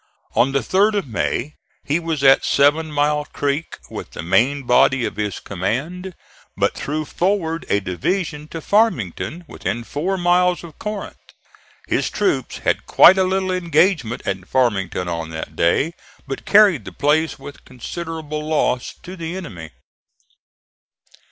On the 3d of May he was at Seven Mile Creek with the main body of his command, but threw forward a division to Farmington, within four miles of Corinth. His troops had quite a little engagement at Farmington on that day, but carried the place with considerable loss to the enemy.